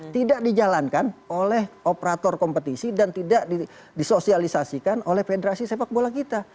tidak dijalankan oleh operator kompetisi dan tidak disosialisasikan oleh federasi sepak bola kita